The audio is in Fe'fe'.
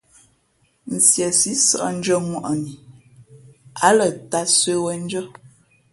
Nsiesi sαʼ ndʉ̄ᾱŋwαni ǎ lαtāl sə̌wen ndʉ́ά.